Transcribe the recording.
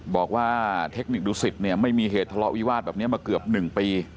บอกว่าเทคนิคดูสิตเนี่ยไม่มีเหตุทะเลาะวิวาสแบบนี้มาเกือบ๑ปี